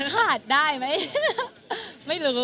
ขาดได้ไหมลิ้มขาดได้ไหม